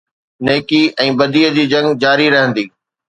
نيڪي ۽ بديءَ جي جنگ جاري رهندي.